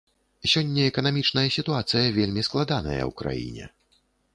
Сёння эканамічная сітуацыя вельмі складаная ў краіне.